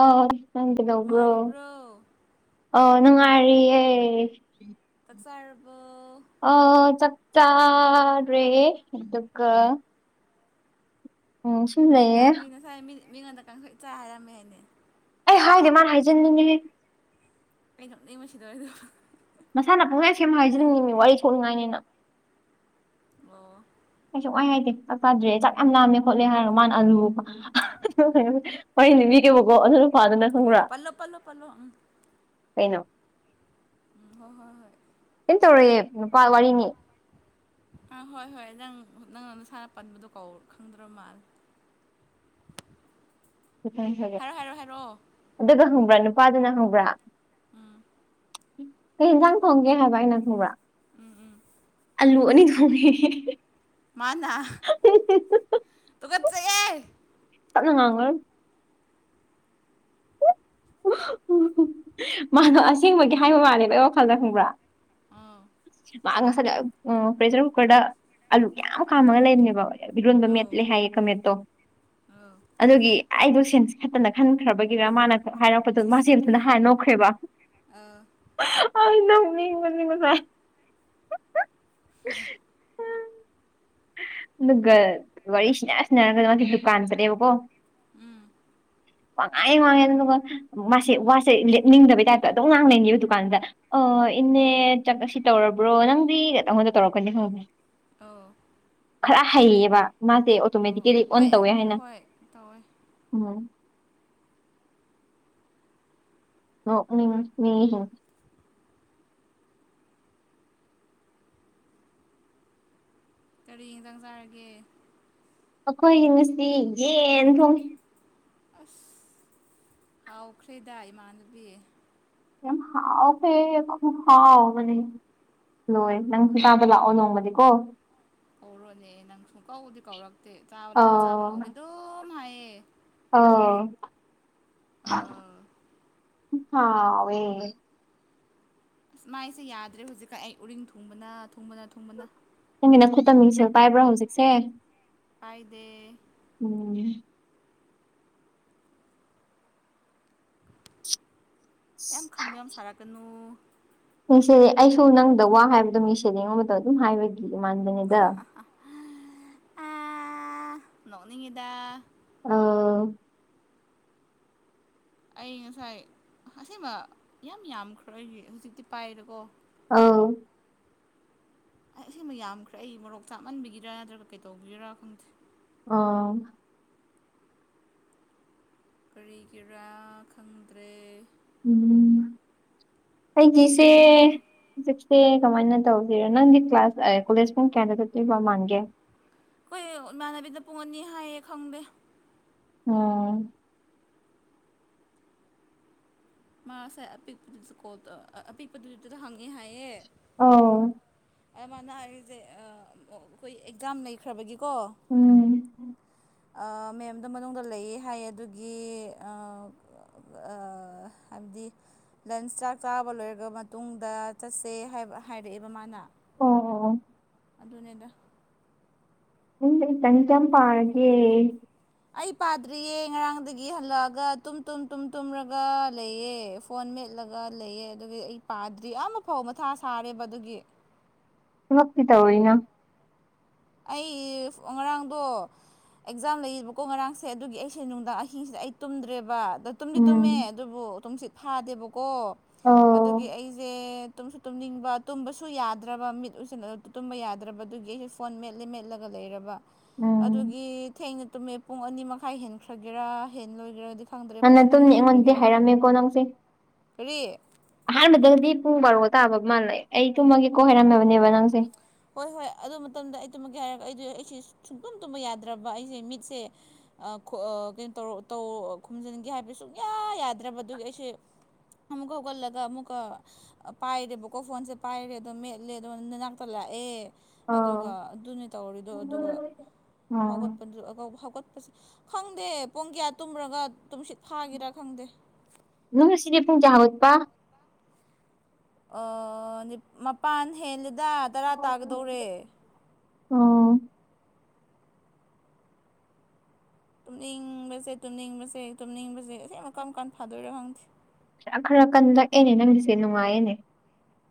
ꯑ ꯅꯪꯗ ꯂꯧꯕ꯭ꯔꯣ ꯅꯨꯡꯉꯥꯏꯔꯤꯕ꯭ꯔꯣ ꯑ ꯅꯨꯡꯉꯥꯏꯔꯤꯌꯦ꯫ ꯇꯥꯛꯆꯥꯔꯔꯕꫭ ꯑ ꯆꯥꯛꯆꯥꯔꯦ ꯑꯗꯨꯒ ꯎꯝ ꯁꯨꯝꯦ ꯅꯪꯗꯤ ꯅꯁꯥꯏ ꯃꯤ ꯃꯤꯉꯣꯟꯗ ꯀꯥꯡꯁꯣ ꯆꯥꯢ ꯍꯥꯏꯔꯝꯃꯦ ꯅꯦ꯫ ꯑꯩ ꯍꯥꯏꯗꯦ ꯃꯥꯅ ꯍꯥꯏꯖꯟꯅꯤꯡꯉꯦꯍꯦ꯫ ꯑꯩ ꯅꯣꯛꯅꯤꯡꯕꯅ ꯁꯤꯗꯣꯔꯦꯗ ꯃꯁꯥꯅ ꯄꯨꯡꯅꯥꯏ ꯁꯦꯝ ꯍꯥꯏꯖꯅꯤꯡꯃꯤ ꯋꯥꯔꯤ ꯁꯣꯛꯅꯤꯡꯉꯥꯏꯅꯤꯅ ꯑꯣ꯫ ꯀꯩꯁꯨ ꯋꯥꯏ ꯍꯥꯏꯗꯦ ꯆꯥꯛ ꯆꯥꯗ꯭ꯔꯦ ꯆꯥꯛ ꯌꯥꯝ ꯥꯝꯃꯦ ꯈꯣꯠꯂꯦ ꯍꯥꯏꯔꯒ ꯃꯥꯅ ꯑꯂꯨꯕ ꯋꯥꯔꯤ ꯑꯝ ꯂꯤꯕꯤꯒꯦꯕꯀꯣ ꯑꯗꯨ ꯅꯨꯄꯥꯗꯨꯅ ꯑꯣ ꯈꯪꯕ꯭ꯔꯥ ꯄꯜꯂꯣ ꯄꯜꯂꯣ ꯄꯜꯂꯣ ꯎꯝ ꯀꯩꯅꯣ ꯍꯣꯏ ꯍꯣꯏ ꯍꯣꯏ꯫ ꯀꯩꯝ ꯇꯧꯔꯣꯢꯌꯦ ꯅꯨꯄꯥ ꯋꯥꯔꯤꯅꯤ꯫ [unintelligible] ꯑꯥ ꯍꯣꯏ ꯍꯣꯏ ꯅꯪ ꯅꯪꯅ ꯅꯁꯥꯟꯅ ꯄꯟꯕꯗꯣ ꯀꯧ ꯈꯪꯗ꯭ꯔ ꯃꯥꯜꯂꯦ [unintelligible] [unintelligible] ꯍꯥꯏꯔꯣ ꯍꯥꯏꯔꯣ ꯍꯥꯏꯔꯛꯑꯣ ꯑꯗꯨꯒ ꯍꯪꯕ꯭ꯔꯥ ꯅꯨꯄꯥꯗꯨꯅ ꯍꯪꯕ꯭ꯔꯥ ꯎꯝ ꯀꯩ ꯏꯟꯁꯥꯡ ꯊꯣꯡꯒꯦ ꯍꯥꯏꯕ ꯑꯩꯅ ꯈꯪꯕ꯭ꯔꯥ ꯎꯝ ꯎꯝ꯫ ꯑꯂꯨ ꯑꯅꯤ ꯊꯣꯛꯅꯤ ꯃꯥꯅꯥ ꯇꯨꯒꯠꯆꯩꯌꯦ꯫ ꯇꯥꯞꯅ ꯉꯉꯨꯍꯦ ꯃꯥꯗꯣ ꯑꯁꯦꯡꯕꯒꯤ ꯍꯥꯏꯕ ꯃꯥꯅꯦꯕ ꯑꯩ ꯋꯥꯈꯜꯗ ꯈꯪꯕ꯭ꯔꯥ ꯑ ꯑꯧ ꯃꯥ ꯉꯁꯥꯏ ꯄ꯭ꯔꯦꯁꯔ ꯀꯨꯀꯔꯗ ꯑꯂꯨ ꯀꯌꯥꯝ ꯀꯥꯝꯃꯒ ꯂꯩꯔꯤꯅꯦꯕ ꯕꯤꯔꯣꯟꯕ ꯑꯧ ꯃꯦꯠꯂꯦ ꯍꯥꯢꯌꯦ ꯈꯨꯃꯦꯠꯇꯣ ꯑꯧ ꯑꯗꯨꯒꯤ ꯑꯩꯗꯣ ꯁꯦꯟ ꯈꯠꯇꯅ ꯈꯟꯈ꯭ꯔꯕꯒꯤꯔ ꯃꯥꯅ ꯍꯥꯏꯔꯛꯄꯗꯨ ꯃꯥꯁꯦꯟꯁꯤꯅ ꯍꯥꯏꯔꯅꯣ ꯈ꯭ꯔꯦꯕ ꯑ ꯑ ꯅꯪ ꯅꯤꯡꯕ ꯅꯤꯡꯕꯁꯥꯏ ꯎꯝ ꯑꯗꯨꯒ ꯋꯥꯔꯤ ꯁꯤꯅꯁꯤꯟꯅꯔꯒꯗꯤ ꯃꯥꯒꯤ ꯗꯨꯀꯥꯟ ꯆꯠꯂꯦꯕꯀꯣ ꯎꯝ꯫ ꯋꯥꯉꯥꯡꯌꯦ ꯋꯥꯡꯉꯦ ꯑꯗꯨꯒ ꯃꯥꯁꯦ ꯋꯥꯁꯦ ꯂꯦꯞꯅꯤꯡꯗꯕꯩ ꯇꯥꯏꯞꯇ ꯑꯗꯨꯝ ꯉꯥꯡꯅꯩꯅꯦꯕ ꯗꯨꯀꯥꯟꯗ ꯑꯣ ꯏꯅꯦ ꯆꯛ ꯑꯁꯤ ꯇꯧꯔꯕ꯭ꯔꯣ ꯅꯪꯗꯤ ꯑꯉꯣꯟꯗ ꯇꯧꯔꯛꯀꯅꯤ ꯈꯪꯉꯦ꯫ ꯑꯣ꯫ ꯈꯔ ꯍꯩꯌꯦꯕ ꯃꯥꯁꯦ ꯑꯣ ꯑꯣꯇꯣꯃꯦꯇꯤꯀꯦꯂꯤ ꯑꯣꯟ ꯍꯣꯏ ꯇꯧꯋꯦ ꯍꯥꯏꯅ ꯍꯣꯏ ꯇꯧꯋꯦ꯫ ꯎꯝ꯫ ꯑꯣ ꯃꯤ ꯀꯔꯤ ꯌꯦꯟꯖꯥꯡ ꯆꯥꯔꯒꯦ ꯑꯩꯈꯣꯏꯒꯤ ꯉꯁꯤ ꯌꯦꯟ ꯊꯣꯡꯉ ꯑꯁ ꯀꯥꯎꯈ꯭ꯔꯦꯗꯥ ꯏꯃꯥꯟꯅꯕꯤ꯫ ꯌꯥꯝ ꯍꯥꯎ ꯐ ꯍꯥꯎ ꯃꯅꯤ ꯂꯣꯏ ꯅꯪꯁꯨ ꯇꯥꯕ ꯂꯥꯛꯑꯣ ꯅꯣꯡꯃꯗꯤꯀꯣ ꯀꯧꯔꯣꯅꯦ ꯅꯪ ꯁꯨꯡꯀꯧꯗꯤ ꯀꯧꯔꯛꯇꯦ ꯆꯥꯕ ꯂꯥꯛꯑꯣ ꯆꯥꯕ ꯂꯥꯛꯑꯣꯗꯤ ꯑꯗꯨꯝ ꯍꯥꯏꯌꯦ ꯑ ꯑꯥ ꯍꯥꯎ ꯑꯁ ꯃꯥꯏꯁꯦ ꯌꯥꯗ꯭ꯔꯦ ꯍꯧꯖꯤꯛꯀ ꯑꯩ ꯎꯔꯤꯡ ꯊꯨꯡꯕꯅ ꯊꯨꯡꯕꯅ ꯊꯨꯡꯕꯅ꯫ ꯅꯪꯒꯤ ꯅꯈꯨꯠꯇꯃꯤꯡꯁꯦꯜ ꯄꯥꯏꯕ꯭ꯔꯣ ꯍꯧꯖꯤꯛꯁꯦ ꯐꯥꯏꯗꯦ ꯎꯝ ꯌꯥꯝ ꯈꯪꯕ ꯌꯥꯝ ꯁꯥꯔꯛꯀꯅꯨ꯫ ꯌꯦꯡꯁ ꯑꯩꯁꯨ ꯅꯪꯗ ꯋꯥ ꯍꯥꯏꯕꯗꯣ ꯃꯤꯁꯦ ꯌꯦꯡꯉꯣꯟꯕꯗ ꯑꯗꯨꯝ ꯍꯥꯏꯕꯒꯤ ꯏꯃꯥꯟꯕꯅꯤꯗ ꯍꯥ.. ꯑꯥ ꯅꯣꯛꯅꯤꯡꯉꯤꯗ ꯑꯣ꯫ ꯑꯩ ꯉꯁꯥꯏ ꯑꯁꯦꯡꯕ ꯌꯥꯝ ꯌꯥꯝꯈ꯭ꯔꯦ ꯍꯧꯖꯤꯛꯇꯤ ꯄꯥꯏꯔꯦꯀꯣ ꯑꯥꯎ ꯑꯩ ꯁꯤꯃ ꯌꯥꯝꯈ꯭ꯔꯦ ꯑꯩ ꯃꯣꯔꯣꯛ ꯆꯥꯃꯟꯕꯤꯒꯔꯥ ꯅꯠꯇ꯭ꯔꯒ ꯀꯩ ꯇꯧꯕꯤꯔꯥ ꯈꯪꯗꯦ ꯑꯣ꯫ ꯀꯔꯤꯒꯤꯔꯥ ꯈꯪꯗ꯭ꯔꯦ ꯎꯝ ꯑꯩꯒꯤꯁꯦ꯫ ꯇꯨꯝꯅꯤꯡꯕꯅ ꯁꯨꯝ ꯍꯧꯖꯤꯛꯁꯦ ꯀꯃꯥꯏꯅ ꯇꯧꯁꯤꯔꯣ ꯅꯪꯒꯤ ꯀ꯭ꯂꯥꯁ ꯀꯣꯂꯦꯖ ꯄꯨꯡ ꯀꯌꯥꯗ ꯆꯠꯇꯣꯏꯕ ꯃꯥꯟꯒꯦ ꯈꯣꯏ ꯏꯃꯥꯟꯅꯕꯤꯗ ꯄꯨꯡ ꯑꯅꯤ ꯍꯥꯏꯌꯦ ꯈꯪꯗꯦ꯫ ꯑꯣꯝ ꯃꯥꯁꯦ ꯑꯄꯤꯛ ꯇ ꯀꯣꯜ ꯇꯧ ꯑ ꯑꯄꯤꯛꯄꯗꯨꯗꯨꯗ ꯍꯪꯉꯦ ꯍꯥꯏꯌꯦ ꯑꯣ꯫ ꯑꯗꯨꯃꯅ ꯍꯥꯏꯔꯤꯁꯦ ꯑꯩꯈꯣꯏ ꯑꯦꯛꯖꯥꯝ ꯂꯩꯈ꯭ꯔꯕꯒꯤꯀꯣ ꯎꯝ꯫ ꯑꯥ ꯃꯦꯝꯗꯣ ꯃꯅꯨꯡꯗ ꯂꯩꯌꯦ ꯍꯥꯏꯌꯦ ꯑꯗꯨꯒꯤ ꯑꯥ ꯑ ꯍꯥꯏꯕꯗꯤ꯫ ꯂꯟꯁ ꯆꯥꯛ ꯆꯥꯕ ꯂꯣꯏꯒꯕ ꯃꯇꯨꯡꯗ ꯆꯠꯁꯦ ꯍꯥꯢꯕ ꯍꯥꯏꯔꯛꯑꯦꯕ ꯃꯥꯅ꯫ ꯑꯣ ꯑꯣ ꯑꯗꯨꯅꯦꯗ꯫ ꯎꯝ ꯏꯇꯪ ꯀꯌ꯭ꯥꯝ ꯄꯥꯔꯒꯦ ꯑꯩ ꯄꯥꯗ꯭ꯔꯤꯌꯦ ꯉꯔꯥꯡꯗꯒꯤ ꯍꯜꯂꯛꯑꯒ ꯇꯨꯝ ꯇꯨꯝ ꯇꯨꯝ ꯇꯨꯝꯔꯒ ꯂꯩꯌꯦ ꯐꯣꯟ ꯃꯦꯠꯂꯒ ꯂꯩꯌꯦ ꯑꯗꯨꯒꯤ ꯑꯩ ꯄꯥꯗ꯭ꯔꯤ ꯑ ꯐꯥꯎ ꯃꯊꯥ ꯁꯥꯔꯦꯕ ꯑꯗꯨꯒꯤ ꯊꯕꯛꯇꯤ ꯇꯧꯋꯤꯅ ꯑꯩ ꯉꯔꯥꯡꯗꯣ꯫ ꯑꯦꯛꯖꯥꯝ ꯂꯩꯌꯦꯕꯀꯣ ꯉꯔꯥꯡꯁꯦ ꯑꯗꯨꯒꯤ ꯑꯩꯁꯦ ꯅꯨꯡꯗꯥꯡ ꯑꯍꯤꯡꯁꯤꯗ ꯑꯩ ꯇꯨꯝꯗ꯭ꯔꯦꯕ ꯑꯗ ꯇꯨꯝꯗꯤ ꯇꯨꯝꯃꯦ ꯎꯝ ꯑꯗꯨꯕꯨ ꯇꯨꯝꯁꯤꯠ ꯐꯥꯗꯦꯕꯀꯣ ꯑꯗꯨꯒꯤ ꯑꯧ ꯑꯩꯁꯦ ꯇꯨꯝꯁꯨ ꯇꯨꯝꯅꯤꯡꯕ ꯇꯨꯝꯕꯁꯨ ꯌꯥꯗ꯭ꯔꯕ ꯃꯤꯠ ꯑꯨꯢꯁꯤꯟ ꯇꯨꯝꯕ ꯌꯥꯗ꯭ꯔꯕ ꯑꯗꯨꯒꯤ ꯐꯣꯟ ꯃꯦꯠꯂꯦ ꯃꯦꯠꯂꯒ ꯂꯩꯔꯕ ꯎꯝ ꯑꯗꯨꯒꯤ ꯊꯦꯡꯅ ꯇꯨꯝꯃꯦ ꯄꯨꯡ ꯑꯅꯤ ꯃꯈꯥꯏ ꯍꯦꯟꯈ꯭ꯔꯒꯦꯔꯥ ꯍꯦꯟꯂꯣꯏꯒꯦꯔꯗꯤ ꯈꯪꯗ꯭ꯔꯦ ꯄꯨꯡ ꯅꯪꯅ ꯑꯅꯤ ꯇꯨꯝꯅꯤ ꯑꯩꯉꯣꯟꯗꯗꯤ ꯍꯦꯟꯈ꯭ꯔꯒꯦꯔꯥ ꯍꯥꯏꯔꯝꯃꯦꯀꯣ ꯅꯪꯁꯦ ꯀꯔꯤ ꯑꯍꯥꯟꯕꯗꯗꯤ ꯄꯨꯡ ꯕꯥꯔꯣꯒ ꯇꯥꯕ ꯃꯥꯜꯂꯦ ꯑꯩ ꯇꯨꯝꯃꯒꯦꯀꯣ ꯍꯥꯏꯔꯝꯃꯕꯅꯦꯕ ꯅꯪꯁꯦ꯫ ꯍꯣꯏ ꯍꯣꯏ ꯑꯗꯨ ꯃꯇꯝꯗ ꯑꯩ ꯇꯨꯝꯃꯛꯀꯤꯦ ꯍꯥꯏꯔꯒ ꯑꯩꯗ ꯑꯩꯁꯦ ꯁꯨꯡꯛꯇꯨꯝ ꯇꯨꯝꯕ ꯌꯥꯗ꯭ꯔꯕ ꯑꯩꯁꯦ ꯃꯤꯠꯁꯦ [unintelligible] ꯈꯣꯨꯝꯖꯤꯟꯒꯦ ꯍꯥꯏꯕ ꯁꯨꯡꯌꯥ ꯌꯥꯗ꯭ꯔꯕ ꯑꯗꯨꯒꯤ ꯑꯩꯁꯦ꯫ ꯑꯃꯨꯛꯀꯒꯜꯂꯒ ꯑꯃꯨꯀ ꯑ ꯄꯥꯏꯔꯦꯕꯀꯣ ꯐꯣꯟꯁꯦ ꯄꯥꯏꯔꯦ ꯑꯗꯣ ꯃꯦꯠꯂꯦ ꯑꯗꯣ ꯅꯅꯥꯛꯇ ꯂꯥꯛꯑꯦ ꯑꯗꯨꯒ ꯑꯧ ꯑꯗꯨꯅꯤ ꯇꯧꯔꯤꯗꯣ ꯑꯗꯨꯒ ꯑꯣ ꯍꯧꯒꯠꯄꯗꯨ ꯍꯧꯒꯠꯄꯁꯦ ꯈꯪꯗꯦ ꯄꯨꯡ ꯀꯌꯥ ꯇꯨꯝꯔꯒ ꯇꯨꯝꯁꯤꯠ ꯐꯥꯒꯦꯔꯥ ꯈꯪꯗꯦ ꯅꯣꯏ ꯁꯤꯗꯤ ꯄꯨꯨꯡ ꯆꯥꯥꯎꯠ ꯄ ꯃꯄꯥꯟ ꯍꯦꯜꯂꯦꯗ ꯇꯔꯥ ꯇꯥꯒꯗꯧꯔꯦ ꯑꯣ ꯇꯨꯝꯅꯤꯡꯕꯁꯦ ꯇꯨꯝꯅꯤꯡꯕꯁꯦ ꯇꯨꯝꯅꯤꯡꯕꯁꯦ ꯑ ꯑꯃ ꯀꯝꯀꯥꯟ ꯐꯥꯗꯣꯏꯅꯣ ꯈꯪꯗꯦ ꯈꯔ ꯈꯔ ꯀꯟꯂꯛꯑꯦꯅꯦ ꯅꯪꯒꯤꯁꯦ ꯅꯨꯡꯉꯥꯏꯌꯦꯅꯦ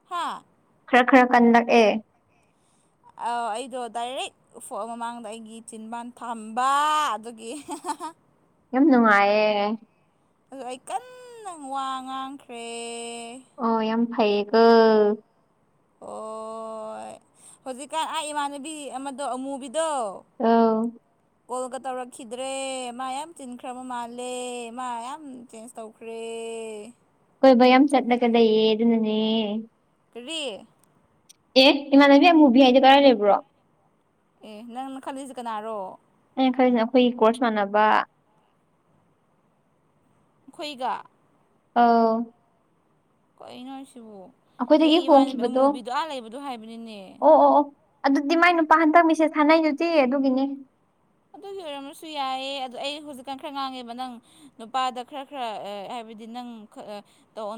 ꯍꯥꯥ꯫ ꯈꯔ ꯈꯔ ꯀꯟꯂꯛꯑꯦ ꯑꯧ ꯑꯩꯗꯨ ꯗꯥꯢꯔꯦꯛ ꯎꯐꯣꯛ ꯃꯃꯥꯡꯗ ꯑꯩꯒꯤ ꯆꯤꯟꯕꯥꯟ ꯊꯝꯕ ꯑꯗꯨꯒꯤ ꯍꯥ ꯍꯥ ꯍꯥ ꯌꯥꯝ ꯅꯨꯡꯉꯥꯏꯌꯦ꯫ ꯑꯗꯨ ꯑꯩ ꯀꯟꯅ ꯋꯥ ꯉꯥꯡꯈ꯭ꯔꯦ ꯑꯣ ꯌꯥꯝ ꯐꯩꯌꯦꯒ ꯑꯣ ꯍꯧꯖꯤꯛꯀꯥꯟ ꯑꯩ ꯏꯃꯥꯟꯅꯕꯤ ꯑꯃꯗꯣ ꯑꯃꯨꯕꯤ ꯗꯣ ꯑꯧ ꯀꯣꯜꯒ ꯇꯧꯔꯛꯈꯤꯗ꯭ꯔꯦ ꯃꯥ ꯌꯥꯝ ꯆꯤꯟꯈ꯭ꯔꯕ ꯃꯥꯜꯂꯦ ꯃꯥ ꯌꯥꯝ ꯆꯦꯟ ꯇꯧꯈ꯭ꯔꯦ ꯀꯣꯏꯕ ꯌꯥꯝ ꯆꯠꯂꯥꯒ ꯂꯩꯌꯦ ꯑꯗꯨꯅꯥꯅꯦ ꯀꯔꯤ ꯑꯦ ꯏꯃꯥꯟꯅꯕꯤ ꯑꯃꯨꯕꯤ ꯍꯥꯏꯗꯣ ꯀꯗꯥꯏ ꯂꯩꯕ꯭ꯔꯣ ꯑꯦ ꯅꯪꯅ ꯈꯜꯂꯤꯁꯦ ꯀꯅꯥꯔꯣ ꯑꯩꯅ ꯈꯔꯁꯤꯅ ꯑꯩꯈꯣꯏꯒꯤ ꯀꯣꯔꯁ ꯃꯥꯟꯅꯕ ꯑꯩꯈꯣꯏꯒ ꯑꯥꯎ [unintelligible] ꯀꯩꯅꯣ ꯍꯥꯏꯁꯤꯕꯨ ꯑꯩꯈꯣꯏꯗꯒꯤ ꯑꯩ ꯏꯃꯥꯟꯅꯕꯤ ꯍꯣꯡꯈꯤꯕꯗꯣ ꯑꯃꯨꯕꯤꯗꯣ ꯑꯥ ꯂꯩꯕꯥꯗꯣ ꯍꯥꯏꯕꯅꯤꯅꯦ ꯑꯣ ꯑꯣ ꯑꯣ ꯑꯗꯨꯗꯤ ꯃꯥꯏ ꯅꯨꯄꯥ ꯍꯟꯇꯛ ꯃꯤꯁꯦ ꯁꯥꯟꯅꯩꯗꯨꯗꯤ ꯑꯗꯨꯒꯤꯅꯦ ꯑꯗꯨꯒꯤ ꯑꯣꯏꯔꯝꯕꯥꯁꯨ ꯌꯥꯏꯌꯦ ꯑꯗꯨ ꯑꯩ ꯍꯧꯖꯤꯛꯀꯥꯟ ꯈꯔ ꯉꯥꯡꯉꯦꯕꯥ ꯅꯪ ꯅꯨꯄꯥꯗ ꯈꯔ ꯈꯔ ꯍꯥꯏꯕꯗꯤ ꯅꯪ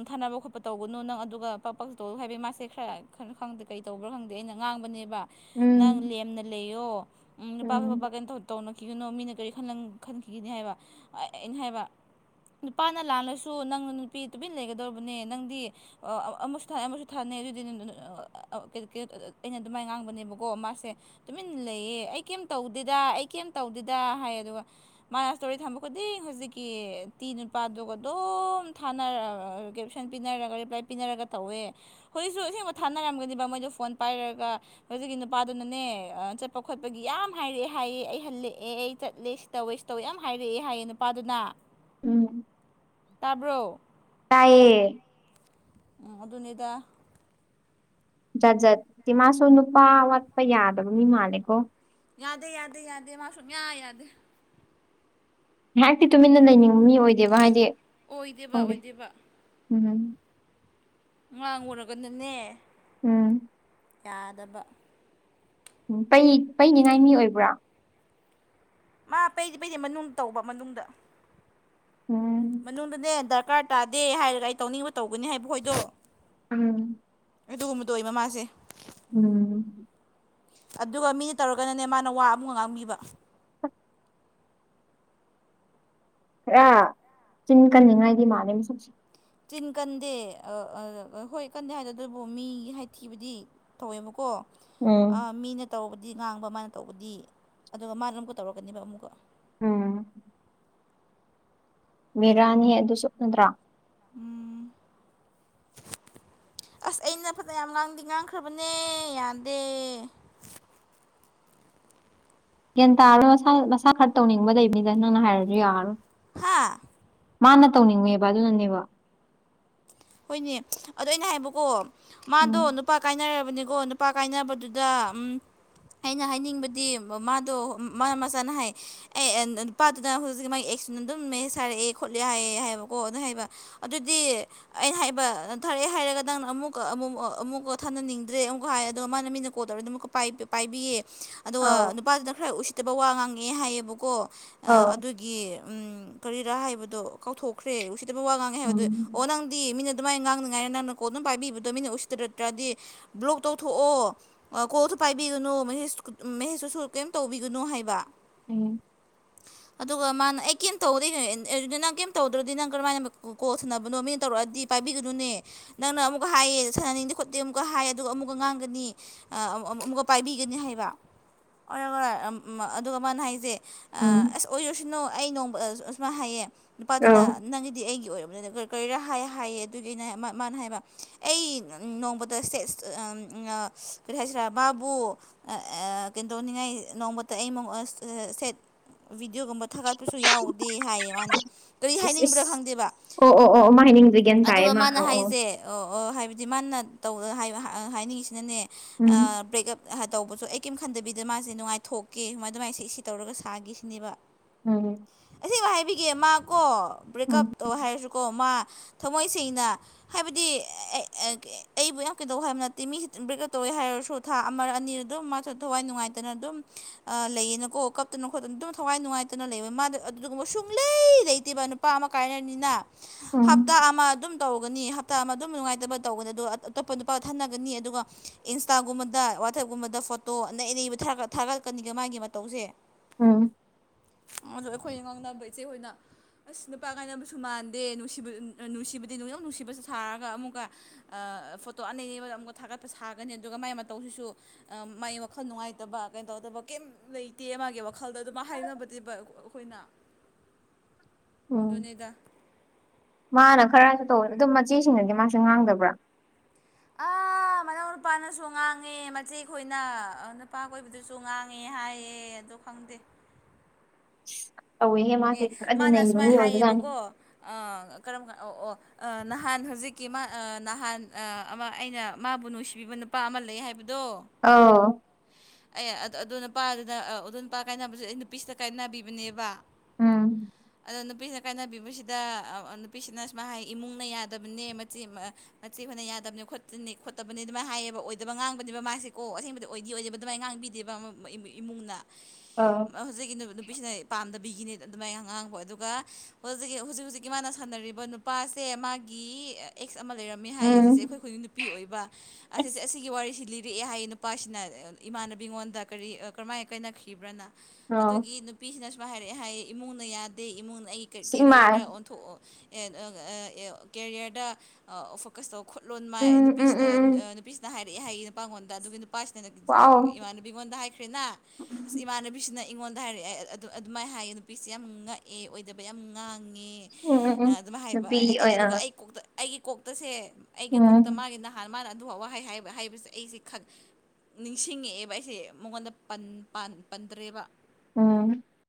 ꯊꯥꯅꯕ ꯈꯣꯠꯄ ꯇꯧꯒꯅꯨ ꯅꯪ ꯑꯗꯨꯒ ꯄ ꯇꯧꯂ ꯍꯥꯏꯕꯒꯤ ꯃꯥꯁꯦ ꯈꯔꯣ ꯈꯪꯗꯦ ꯀꯩ ꯇꯧꯕ꯭ꯔꯥ ꯈꯪꯗꯦ ꯑꯩꯅ ꯉꯥꯡꯕꯅꯦꯕ ꯅꯪ ꯎꯝ ꯂꯦꯝꯅ ꯂꯩꯌꯣ ꯅꯨꯄꯥꯁꯨ ꯎꯝ ꯄꯄꯥ ꯀꯩꯅꯣ ꯇꯧꯅꯈꯤꯒꯅꯣ ꯃꯤꯅ ꯀꯔꯤ ꯈꯜꯂꯪ ꯈꯟꯈꯤꯒꯅꯤ ꯍꯥꯏꯕ ꯑꯩꯅ ꯍꯥꯏꯕ ꯅꯨꯄꯥꯅ ꯂꯥꯜꯂꯁꯨ ꯅꯪꯅ ꯅꯨꯄꯤ ꯇꯨꯄꯤꯟ ꯂꯩꯒꯗꯧꯔꯤꯕꯅꯦ ꯅꯪꯗꯤ ꯑꯃꯁꯨ ꯊꯥꯅꯩ ꯑꯃꯁꯨ ꯊꯥꯅꯩ ꯑꯗꯨꯗꯤ ꯑꯩꯅ ꯑꯗꯨꯃꯥꯏꯅ ꯉꯥꯡꯕꯅꯦꯕꯀꯣ ꯃꯥꯁꯦ ꯇꯨꯃꯤꯟ ꯂꯩꯌꯦ ꯑꯩ ꯀꯩꯝ ꯇꯧꯗꯦꯗ ꯑꯩ ꯀꯩꯝ ꯇꯧꯗꯦꯗ ꯍꯥꯏ ꯑꯗꯨꯒ ꯃꯥꯅ ꯏꯁꯇꯣꯔꯤ ꯊꯝꯕ ꯈꯨꯗꯤꯡ ꯍꯧꯖꯤꯛꯀꯤ ꯇꯤ ꯅꯨꯄꯥꯗꯨꯒ ꯑꯗꯨꯝ ꯊꯥꯅꯔ [unintelligible] ꯄꯤꯅꯔꯒ ꯔꯤꯄ꯭ꯂꯥꯏ ꯄꯤꯅꯔꯒ ꯇꯧꯋꯦ ꯍꯧꯖꯤꯛꯁꯨ ꯑꯁꯦꯡꯕ ꯊꯥꯅꯔꯝꯒꯅꯦꯕ ꯃꯣꯏꯗꯣ ꯐꯣꯟ ꯄꯥꯏꯔꯒ ꯍꯧꯖꯤꯛꯀꯤ ꯅꯨꯄꯥꯗꯨꯅꯅꯦ ꯆꯠꯄ ꯈꯣꯠꯄꯒꯤ ꯌꯥꯝ ꯍꯥꯏꯔꯛꯑꯦ ꯍꯥꯏꯌꯦ ꯑꯩ ꯑꯩ ꯍꯜꯂꯛꯑꯦ ꯑꯩ ꯆꯠꯂꯦ ꯁꯤ ꯇꯧꯋꯦ ꯁꯤ ꯇꯧꯋꯦ ꯌꯥꯝ ꯍꯥꯏꯔꯛꯑꯦ ꯍꯥꯏꯌꯦ ꯅꯨꯄꯥꯗꯨꯅ ꯎꯝ ꯇꯥꯕ꯭ꯔꯣ ꯇꯥꯏꯌꯦ ꯎꯝ ꯑꯗꯨꯅꯤꯗ ꯖꯥꯠ ꯖꯥꯠꯇꯤ ꯃꯥꯁꯨ ꯅꯨꯄꯥ ꯋꯥꯠꯄ ꯌꯥꯗꯕ ꯃꯤ ꯃꯥꯜꯂꯦꯀꯣ ꯌꯥꯗꯦ ꯌꯥꯗꯦ ꯌꯥꯗꯦ ꯃꯥꯁꯨꯨꯝ ꯌꯥ ꯌꯥꯗꯦ ꯉꯥꯏꯍꯥꯛꯇꯤ ꯇꯨꯃꯤꯟꯅ ꯂꯩꯅꯤꯡꯕ ꯃꯤ ꯑꯣꯏꯗꯦꯕ ꯍꯥꯏꯗꯤ ꯑꯣꯏꯗꯦꯕ ꯈꯪꯗꯦ ꯑꯣꯏꯗꯦꯕ ꯎꯝ ꯉꯥꯡꯉꯨꯔꯥꯒꯅꯥꯅꯦ ꯎꯝ ꯌꯥꯗꯕ ꯎꯝ ꯄꯩ ꯄꯩꯅꯤꯉꯥꯏ ꯃꯤ ꯑꯣꯏꯕ꯭ꯔꯥ ꯃꯥ ꯄꯩꯗꯤ ꯄꯩꯗꯤ ꯃꯅꯨꯡꯗ ꯇꯧꯕ ꯃꯅꯨꯡꯗ ꯎꯝ ꯃꯅꯨꯡꯗꯥꯅꯦ ꯗꯔꯀꯥꯔ ꯇꯥꯗꯦ ꯍꯥꯏꯔꯒ ꯑꯩ ꯇꯧꯅꯤꯡꯕ ꯇꯧꯒꯥꯅꯤ ꯍꯥꯏꯕ ꯈꯣꯏꯗꯣ ꯎꯝ ꯑꯗꯨꯒꯨꯝꯕꯗꯣ ꯑꯣꯏ ꯃꯃꯥꯁꯦ ꯎꯝ ꯑꯗꯨꯒ ꯃꯤꯅ ꯇꯧꯔꯒꯅꯅꯦ ꯃꯥꯅ ꯋꯥ ꯑꯃꯨꯛꯒ ꯉꯥꯡꯕꯤꯕ ꯈꯔ ꯆꯤꯟ ꯀꯟꯅꯤꯡꯉꯥꯏꯗꯤ ꯃꯥꯜꯂꯦ ꯃꯥꯁꯛꯁꯦ ꯇꯤꯟ ꯀꯟꯗꯦ ꯑ ꯑ ꯍꯣꯏ ꯀꯟꯗꯦ ꯍꯥꯏꯗꯣ ꯑꯗꯨꯕꯨ ꯃꯤꯒꯤ ꯍꯥꯏꯊꯤꯕꯗꯤ ꯇꯧꯋꯦꯕꯥꯀꯣ ꯑ ꯎꯝ ꯃꯤꯅ ꯇꯧꯕꯗꯤ ꯉꯥꯡꯕ ꯃꯥꯅ ꯇꯧꯕꯗꯤ ꯑꯗꯨꯒ ꯃꯥꯅ ꯑꯃꯨꯛꯀꯥ ꯇꯧꯔꯛꯀꯥꯅꯤꯕ ꯑꯃꯨꯛꯀꯥ ꯎꯝ ꯕꯦꯔꯥꯅꯤꯍꯦ ꯑꯗꯨꯁꯨ ꯅꯠꯇ꯭ꯔ ꯎꯝ ꯑꯁ ꯑꯩꯅ ꯐꯖꯌꯥꯝ ꯉꯥꯡꯗꯤ ꯉꯥꯡꯈ꯭ꯔꯕꯅꯦ ꯌꯥꯗꯦ ꯒ꯭ꯌꯥꯟ ꯇꯥꯔꯔꯣꯏ ꯃꯁꯥ ꯃꯁꯥꯅ ꯈꯔ ꯇꯧꯅꯤꯡꯕ ꯂꯩꯕꯅꯤꯗ ꯅꯪꯅ ꯍꯥꯏꯔꯁꯨ ꯌꯥꯔꯔꯣꯏ ꯍꯥꯥ ꯃꯥꯅ ꯇꯧꯅꯤꯡꯉꯦꯕ ꯑꯗꯨꯅꯅꯦꯕ ꯍꯣꯏꯅꯦ ꯑꯗꯣ ꯑꯩꯅ ꯍꯥꯏꯕꯀꯣ ꯎꯝ ꯃꯥꯗꯣ ꯅꯨꯄꯥ ꯀꯥꯏꯅꯔꯕꯅꯦꯀꯣ ꯅꯨꯄꯥ ꯀꯥꯏꯅꯕꯗꯨꯗ ꯎꯝ ꯑꯩꯅ ꯍꯥꯏꯅꯤꯡꯕꯗꯤ ꯃꯥꯗꯣ ꯃꯥ ꯃꯆꯥꯅ ꯍꯥꯏ ꯑꯦ ꯑꯦ ꯅꯨꯄꯥꯗꯨꯅ ꯍꯧꯖꯤꯛꯀꯤ ꯃꯥꯒꯤ ꯑꯦꯛꯁ ꯇꯨꯅ ꯑꯗꯨꯝ ꯃꯦꯁꯦꯁ ꯊꯥꯔꯛꯑꯦ ꯈꯣꯠꯂꯦ ꯍꯥꯏꯌꯦ ꯍꯥꯏꯕꯀꯣ ꯑꯗꯨ ꯍꯥꯏꯕꯥ ꯑꯗꯨꯗꯤ ꯑꯩꯅ ꯍꯥꯏꯕ ꯅꯊꯔꯛꯑꯦ ꯍꯥꯏꯔꯒ ꯅꯪꯅ ꯑꯃꯨꯛꯀ ꯑꯃꯨꯛ ꯑꯃꯨꯛꯀ ꯊꯥꯅꯅꯤꯡꯗ꯭ꯔꯦ ꯑꯃꯨꯛꯀ ꯍꯥꯏ ꯑꯗꯣ ꯃꯥꯅ ꯃꯤꯅ ꯀꯣꯜ ꯇꯧꯔꯗꯤ ꯑꯃꯨꯛꯀ ꯄꯥꯏ ꯄꯥꯏꯕꯤꯌꯦ ꯑꯗꯨꯒ ꯑꯥꯎ ꯅꯨꯄꯥꯗꯨꯅ ꯈꯔ ꯎꯁꯤꯠꯇꯕ ꯋꯥ ꯉꯥꯡꯉꯦ ꯍꯥꯏꯌꯦꯕꯀꯣ ꯑ ꯑꯧ ꯑꯗꯨ ꯒꯤ ꯎꯝ ꯀꯔꯤꯔꯥ ꯍꯥꯏꯕꯗꯣ ꯀꯥꯎꯊꯣꯛꯈ꯭ꯔꯦ ꯎꯁꯤꯠꯇꯥꯕ ꯋꯥ ꯉꯥꯡꯉꯦ ꯍꯥꯏꯕꯗꯣ ꯑꯣ ꯎꯝ ꯅꯪꯗꯤ ꯃꯤꯅ ꯑꯗꯨꯃꯥꯏꯅ ꯉꯥꯡꯅꯤꯉꯥꯏꯅ ꯅꯪꯅ ꯀꯣꯜ ꯑꯗꯨꯝ ꯄꯥꯏꯕꯤꯕꯗꯣ ꯃꯤꯅ ꯎꯁꯤꯇꯔꯠꯇ꯭ꯔꯗꯤ ꯕ꯭ꯂꯣꯛ ꯇꯧꯊꯣꯛꯑꯣ ꯀꯣꯜꯁꯨ ꯄꯥꯏꯕꯤꯒꯅꯨ ꯃꯍꯦꯁ ꯃꯍꯦꯁꯇꯨꯁꯨ ꯀꯔꯤꯝ ꯇꯧꯕꯤꯒꯅꯣ ꯍꯥꯏꯕ ꯎꯝ ꯑꯗꯨꯒ ꯃꯥꯅ ꯑꯩ ꯀꯦꯝ ꯇꯧꯗ ꯅꯪ ꯀꯦꯝ ꯇꯧꯗ꯭ꯔꯗꯤ ꯅꯪ ꯀꯔꯝꯥꯏꯅ ꯀꯣꯊꯅꯕ ꯕ ꯅꯣ ꯃꯤꯅ ꯇꯧꯔꯛꯑꯗꯤ ꯄꯥꯏꯕꯤꯒꯅꯨꯅꯦ ꯅꯪꯅ ꯑꯃꯨꯛꯀ ꯍꯥꯏꯌꯦ ꯁꯥꯟꯅꯅꯤꯡꯗꯦ ꯈꯣꯠꯇꯦ ꯑꯃꯨꯛꯀꯥ ꯍꯥꯏ ꯑꯗꯨꯒ ꯑꯃꯨꯛꯀꯥ ꯉꯥꯡꯒꯅꯤ ꯑꯃꯨꯛꯀ ꯄꯥꯏꯕꯤꯒꯅꯤ ꯍꯥꯏꯕ ꯑꯣꯔ ꯑꯗꯨꯒ ꯃꯥꯅ ꯍꯥꯏꯁꯦ ꯎꯝ ꯑꯁ ꯑꯣꯏꯔꯁꯥꯅꯨ ꯑꯩ ꯅꯣꯡꯃ ꯑꯁꯨꯃꯥꯏꯅ ꯍꯥꯏꯌꯦ ꯅꯨꯄꯥꯗꯨꯅ ꯑꯧ ꯅꯪꯒꯤꯗꯤ ꯑꯩꯒꯤ ꯑꯣꯏꯔꯕꯅꯤꯅ ꯀꯔꯤ ꯀꯔꯤꯔꯥ ꯍꯥꯏ ꯍꯥꯏꯌꯦ ꯑꯗꯨꯒꯤꯅꯦ ꯃꯥꯅ ꯍꯥꯏꯕ ꯑꯩ ꯅꯣꯡꯃꯗ ꯁꯦꯠꯁ ꯀꯔꯤ ꯍꯥꯏꯁꯤꯔꯥ ꯕꯥꯕꯨ ꯀꯩꯗꯧꯅꯤꯡꯉꯥꯏ ꯅꯣꯡꯃꯇ ꯑꯩ ꯁꯦꯠ ꯕꯤꯗꯤꯑꯣꯒꯨꯝꯕ ꯊꯥꯒꯠꯄꯁꯨ ꯌꯥꯎꯗꯦ ꯍꯥꯏꯌꯦ ꯃꯥꯅ ꯇ ꯑꯩ ꯏꯁ ꯍꯥꯏꯅꯤꯡꯕ꯭ꯔꯥ ꯏꯁ ꯈꯪꯗꯦꯕ ꯑꯣ ꯑꯣ ꯑꯣ ꯃꯥꯅ ꯍꯥꯏꯅꯤꯡ ꯑꯗꯨꯒ ꯃꯥꯅ ꯍꯥꯏꯁꯦ ꯑꯣ ꯑꯣ ꯍꯥꯏꯕꯗꯤ ꯃꯥꯅ ꯇꯧꯕ ꯍꯥꯏꯅꯤꯡꯉꯤꯁꯤꯅꯥꯅꯦ ꯎꯝ ꯕ꯭ꯔꯦꯛꯑꯞ ꯇꯧꯕꯁꯨ ꯑꯩ ꯀꯔꯤꯝ ꯈꯟꯗꯕꯤꯗꯅ ꯃꯥꯁꯦ ꯅꯨꯡꯉꯥꯏꯊꯣꯛꯀꯦ ꯁꯨꯃꯥꯏ ꯑꯗꯨꯃꯥꯏꯁꯦ ꯁꯤ ꯇꯧꯔꯒ ꯁꯥꯈꯤ ꯁꯤꯅꯦꯕ ꯎꯝ ꯑꯁꯤ ꯍꯥꯏꯕꯤꯒꯦ ꯃꯥꯀꯣ ꯕ꯭ꯔꯦꯛꯀꯞ ꯎꯝ ꯇꯧ ꯍꯥꯏꯔꯁꯨꯀꯣ ꯃꯥ ꯊꯃꯣꯏ ꯁꯦꯡꯅ ꯍꯥꯏꯕꯗꯤ ꯑꯦ ꯑꯩꯕꯨ ꯌꯥꯝ ꯀꯩꯗꯧ ꯍꯥꯏꯕ ꯅꯠꯇꯦ ꯃꯤ ꯕ꯭ꯔꯦꯛ ꯑꯞ ꯇꯧꯋꯦ ꯍꯥꯏꯔꯁꯨ ꯊꯥ ꯑꯃꯔ ꯑꯅꯤꯔ ꯑꯗꯨꯝ ꯃꯥꯁꯨ ꯊꯋꯥꯏ ꯅꯨꯡꯉꯥꯏꯇꯅ ꯑꯗꯨꯝ ꯂꯩꯌꯦꯅꯀꯣ ꯀꯞꯇꯅ ꯈꯣꯠꯇꯅ ꯑꯗꯨꯝ ꯊꯋꯥꯏ ꯅꯨꯡꯉꯥꯏꯇꯅ ꯂꯩꯕ ꯃꯥ ꯑꯗꯨꯒꯨꯝꯕ ꯁꯨꯡꯂꯩ ꯂꯩꯇꯦꯕ ꯅꯨꯄꯥ ꯑꯃ ꯀꯥꯏꯅꯔꯥꯅꯤꯅ ꯍꯥꯞ ꯎꯝ ꯑꯃ ꯑꯗꯨꯝ ꯇꯧꯒꯥꯅꯤ ꯍꯞꯇꯥ ꯑꯃ ꯑꯗꯨꯝ ꯅꯨꯡꯉꯥꯏꯇꯕ ꯇꯧꯕꯥꯅꯦ ꯑꯗꯨꯒ ꯑꯇꯣꯞꯄ ꯅꯨꯄꯥ ꯊꯥꯟꯅꯒꯅꯤ ꯑꯗꯨꯒ ꯏꯟꯁꯇꯥꯒꯨꯝꯕꯗ ꯋꯥꯆꯦꯞꯀꯨꯝꯕꯗ ꯐꯣꯇꯣ ꯑꯅꯩ ꯑꯅꯩꯕ ꯊꯥꯒꯠ ꯊꯥꯒꯠꯀꯥꯅꯤꯒ ꯃꯥꯒꯤ ꯃꯥꯇꯧꯁꯦ ꯎꯝ ꯑꯗꯣ ꯑꯩꯈꯣꯏ ꯉꯥꯡꯅꯕ ꯏꯆꯦ ꯈꯣꯏꯅ ꯑꯁ ꯅꯨꯄꯥ ꯀꯥꯏꯅꯕꯁꯨ ꯃꯥꯟꯗꯦ ꯅꯨꯡꯁꯤꯕ ꯅꯨꯡꯁꯤꯕꯗꯤ ꯅꯨꯡꯅꯧ ꯅꯨꯡꯁꯤꯕꯁꯨ ꯊꯥꯔꯒ ꯑꯃꯨꯛꯀ ꯐꯣꯇꯣ ꯑꯅ ꯑꯕꯗ ꯑꯃꯨꯛꯀ ꯊꯥꯒꯠꯄ ꯁꯥꯒꯅꯤ ꯑꯗꯨꯒ ꯃꯥꯏ ꯃꯇꯧꯁꯤꯁꯨ ꯃꯥꯒꯤ ꯋꯥꯈꯜ ꯅꯨꯡꯉꯥꯏꯇꯕ ꯀꯩꯅꯣ ꯇꯧꯗꯕ ꯀꯩꯝ ꯂꯩꯇꯦ ꯃꯥꯒꯤ ꯋꯥꯈꯜꯗ ꯑꯗꯨꯃ ꯍꯥꯏꯅꯕꯗꯤ ꯑꯩꯈꯣꯏꯅ ꯎꯝ ꯑꯗꯨꯅꯤꯗ ꯃꯥꯅ ꯈꯔꯁꯨ ꯇꯧꯋꯦ ꯑꯗꯣ ꯃꯆꯦ ꯁꯤꯡꯅꯗꯤ ꯃꯥꯁꯦ ꯉꯥꯡꯗꯕ꯭ꯔꯥ ꯑ ꯃꯅꯥꯎ ꯅꯨꯄꯥꯅꯁꯨ ꯉꯥꯡꯉꯦ ꯃꯆꯦ ꯈꯈꯣꯏꯅ ꯅꯨꯄꯥ ꯀꯣꯏꯕꯗꯨꯁꯨ ꯉꯥꯡꯉꯦ ꯍꯥꯏꯌꯦ ꯑꯦ ꯑꯗꯣ ꯈꯪꯗꯦ ꯇꯧꯋꯦꯍꯦ ꯃꯥꯁꯦ ꯑꯦ ꯈꯔꯗꯤ ꯃꯥꯅ ꯑ ꯅꯩꯕ ꯃꯤ ꯁꯁꯨꯃꯥꯏꯅ ꯑꯣꯏꯕꯖꯥꯠꯅꯤ ꯍꯥꯏꯌꯦꯕꯀꯣ ꯀꯔꯝ ꯀ ꯑꯣ ꯑꯣ ꯅꯍꯥꯟ ꯍꯧꯖꯤꯛꯀꯤ ꯃꯥ ꯅꯍꯥꯟ ꯑꯃ ꯑꯩꯅ ꯃꯥꯕꯨ ꯅꯨꯡꯁꯤꯕꯤꯕ ꯅꯨꯄꯥ ꯑꯃ ꯂꯩ ꯍꯥꯏꯕꯗꯣ ꯑ ꯑꯦ ꯑꯗ ꯑꯗꯨꯣ ꯅꯨꯄꯥꯗꯨꯗ ꯑꯗꯨꯣ ꯅꯨꯄꯥ ꯀꯥꯏꯅꯕꯁꯦ ꯑꯩ ꯅꯨꯄꯤꯁꯤꯗ ꯀꯥꯏꯅꯕꯤꯕꯅꯦꯕ ꯎꯝ ꯑꯗꯣ ꯅꯨꯄꯤꯁꯤꯅ ꯀꯥꯏꯅꯕꯤꯕꯁꯤꯗ ꯅꯨꯄꯤꯁꯤꯅ ꯁꯨꯃꯥꯏ ꯍꯥꯏ ꯏꯃꯨꯡꯅ ꯌꯥꯗꯕꯅꯦ ꯃꯆꯦ ꯅꯦ ꯍꯣꯅ ꯌꯥꯗꯕꯅꯤ ꯈꯣꯠꯇꯅꯤ ꯈꯣꯠꯇꯕꯅꯤ ꯑꯗꯨꯃꯥꯏꯅ ꯍꯥꯏꯌꯦꯕ ꯑꯣꯏꯗꯕ ꯉꯥꯡꯕꯅꯦꯕ ꯃꯥꯁꯦ ꯀꯣ ꯑꯁꯦꯡꯕꯗꯤ ꯑꯣꯏꯗꯤ ꯑꯣꯏꯗꯕ ꯑꯗꯨꯃꯥꯏꯅ ꯉꯥꯡꯕꯤ ꯗꯤꯕ ꯑꯃꯨꯛ ꯏꯃꯨꯡꯅ ꯑꯥ ꯑ ꯍꯧꯖꯤꯛꯀꯤ ꯅꯨꯄꯤꯁꯤꯅ ꯄꯥꯝꯗꯕꯤꯒꯤꯅꯦ ꯑꯗꯨꯃꯥꯏꯅ ꯑꯉꯥꯡꯕ ꯑꯗꯨꯒ ꯍꯧꯛꯀꯤ ꯍꯧꯖꯤꯛ ꯍꯧꯖꯤꯛꯀꯤ ꯃꯥꯅ ꯁꯥꯟꯅꯔꯤꯕ ꯅꯨꯄꯥꯁꯦ ꯃꯥꯒꯤ ꯑꯦꯛꯁ ꯑꯃ ꯂꯩꯔꯝꯃꯤ ꯍꯥꯏꯌꯦ ꯑꯁꯤꯁꯦ ꯑꯩꯈꯣꯏ ꯈꯨꯗꯤꯡ ꯅꯨꯄꯤ ꯑꯣꯏꯕ ꯑꯁꯤꯁꯦ ꯑꯁꯤꯒꯤ ꯋꯥꯔꯤꯁꯤ ꯂꯤꯔꯛꯑꯦ ꯍꯥꯏꯌꯦ ꯅꯨꯄꯥꯁꯤꯅ ꯏꯃꯥꯟꯅꯕꯤꯉꯣꯟꯗ ꯀꯔꯤ ꯀꯔꯝꯍꯥꯏꯅ ꯀꯥꯏꯅꯈꯤꯕ꯭ꯔꯅ ꯑꯗꯨꯒꯤ ꯅꯨꯄꯤꯁꯤꯅꯁꯨ ꯍꯥꯏꯔꯛꯑꯦ ꯍꯥꯏꯌꯦ ꯏꯃꯨꯡꯅ ꯌꯥꯗꯦ ꯏꯃꯨꯡꯅ ꯑꯩ ꯀꯦꯔꯤꯌꯔꯗ ꯑꯣꯟꯊꯣꯛꯑꯣ ꯀꯦꯔꯤꯌꯔꯗ ꯐꯣꯀꯁ ꯇꯧ ꯈꯨꯠꯂꯣꯟ ꯃꯥꯏ ꯅꯨꯄꯤꯅ ꯅꯨꯄꯤꯁꯤꯅ ꯍꯥꯏꯔꯛꯑꯦ ꯍꯥꯏꯌꯦ ꯅꯨꯄꯥꯡꯉꯣꯟꯗ ꯑꯗꯨꯒꯤ ꯄꯥꯁꯤꯅꯅꯦ ꯏꯃꯥ ꯑꯩꯉꯣꯟꯗ ꯍꯥꯏꯈ꯭ꯔꯦꯅ ꯑꯁ ꯏꯃꯥꯟꯅꯕꯤꯁꯤꯅ ꯑꯩꯉꯣꯟꯗ ꯍꯥꯏꯔꯛꯑꯦ ꯑꯗꯨ ꯑꯗꯨꯃꯥꯏꯅ ꯍꯥꯏꯌꯦ ꯄꯤꯤꯁꯁꯦ ꯌꯥꯝ ꯉꯛꯑꯦ ꯑꯣꯏꯗꯕ ꯌꯥꯝ ꯉꯥꯡꯉꯦ ꯑꯗꯨꯝꯥꯏ ꯍꯥꯏꯕ ꯑꯗꯨꯒ ꯑꯩ ꯀꯣꯛꯇ ꯑꯩꯒꯤ ꯀꯣꯛꯇꯁꯦ ꯑꯩꯒꯤ ꯀꯣꯛꯇ ꯃꯥꯒꯤ ꯅꯍꯥꯟ ꯃꯥꯅ ꯑꯗꯨꯐ ꯋꯥꯍꯩ ꯍꯥꯏꯕ ꯍꯥꯏꯕꯁꯦ ꯑꯩꯁꯦ ꯅꯤꯡꯁꯤꯡꯉꯛꯑꯦꯕ ꯑꯩꯁꯦ ꯃꯉꯣꯟꯗ ꯄꯟꯗ꯭ꯔꯦꯕ ꯑꯣꯝ